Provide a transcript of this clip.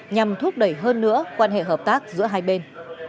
nhằm thúc đẩy hơn nữa quan hệ hợp tác giữa hai bên